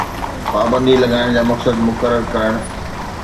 پابندي لڳائڻ جا مقصد مقرر ڪرڻ